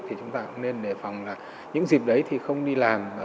thì chúng ta cũng nên đề phòng là những dịp đấy thì không đi làm ở ngoài trời